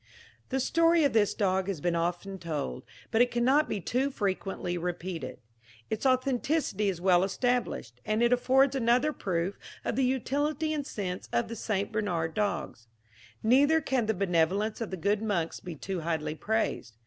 The story of this dog has been often told, but it cannot be too frequently repeated. Its authenticity is well established, and it affords another proof of the utility and sense of the St. Bernard dogs. Neither can the benevolence of the good monks be too highly praised.